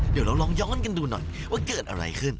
เดี๋ยวเราลองย้อนกันดูหน่อยว่าเกิดอะไรขึ้น